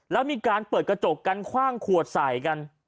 แล้วมีการเปิดกระจกกันคว่างขวดใส่กัน